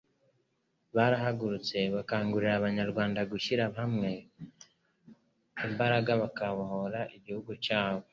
barahagurutse, bakangurira Abanyarwanda gushyira hamwe imbaraga bakabohora igihugu cyabo.